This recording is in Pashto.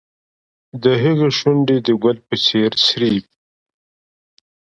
د هغې شونډې د ګل په څېر سرې وې.